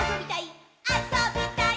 あそびたい！